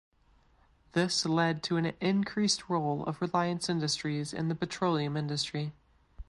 This led to an increased role of Reliance industries in the petroleum industry.